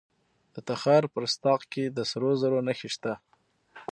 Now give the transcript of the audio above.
د تخار په رستاق کې د سرو زرو نښې شته.